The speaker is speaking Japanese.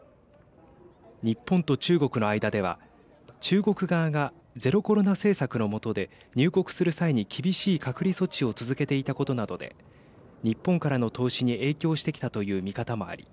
日本と中国の間では中国側がゼロコロナ政策の下で入国する際に厳しい隔離措置を続けていたことなどで日本からの投資に影響してきたという見方もあり